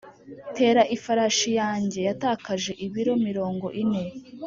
'tera ifarashi yanjye yatakaje ibiro mirongo ine.